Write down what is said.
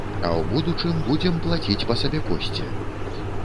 А ў будучым будзем плаціць па сабекошце.